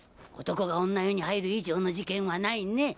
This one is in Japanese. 男が女湯に入る以上の事件はないね。